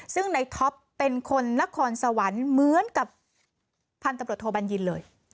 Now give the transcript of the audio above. ซึ่งในท็อปเป็นคนนครสวรรค์เหมือนกับพันธุ์ตำรวจโทบัญญินเลย